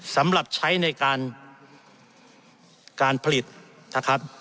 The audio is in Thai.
สำหรับใช้ในการผลิต